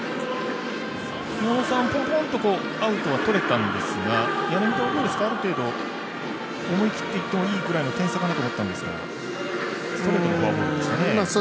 宮本さん、ポンポンとアウトはとれたんですが柳田はある程度思い切っていってもいいという点差だと思ったんですがストレートのフォアボールでしたね。